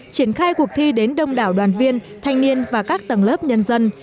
triển khai cuộc thi đến đông đảo đoàn viên thanh niên và các tầng lớp nhân dân